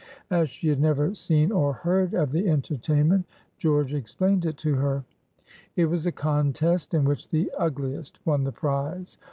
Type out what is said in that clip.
As she had never seen or heard of the entertainment, George explained it to her. It was a contest in which the ugliest won the prize.